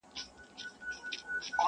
ځوانان د ازادۍ غږ اخبار ته ګوري حيران,